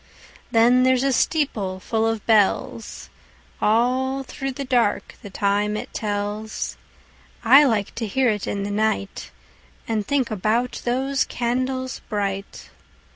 Then there's a steeple full of bells, All through the dark the time it tells.I like to hear it in the nightAnd think about those candles bright.